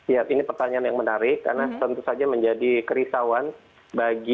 ya ini pertanyaan yang menarik karena tentu saja menjadi kerisauan bagi